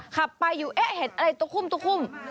ขับไปอยู่เอ๊ะเห็นอะไรตัวคุ่มตะคุ่ม